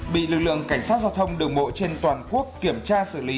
bị lực lượng cảnh sát giao thông đường bộ trên toàn quốc kiểm tra xử lý